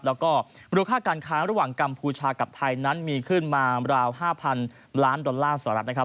แล้วก็มูลค่าการค้าระหว่างกัมพูชากับไทยนั้นมีขึ้นมาราว๕๐๐๐ล้านดอลลาร์สหรัฐนะครับ